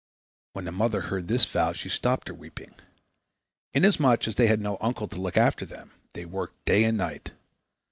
When the mother heard this vow she stopped her weeping. Inasmuch as they had no uncle to look after them, they worked day and night.